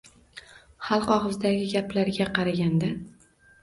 Xalq ogʻzidagi gaplarga qaragan